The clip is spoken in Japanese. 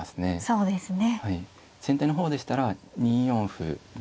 そうですね。